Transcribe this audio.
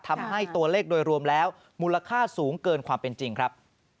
ทำให้ตัวเลขโดยรวมแล้วมูลค่าสูงเกินความเป็นจริงครับ